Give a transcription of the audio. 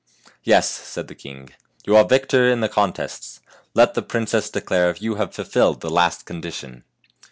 " Yes, 1 ' said the king. " You arc victor in the contests; let the princess declare if you have fulfilled the last condition."